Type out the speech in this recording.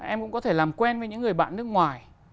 em cũng có thể làm quen với những người bạn nước ngoài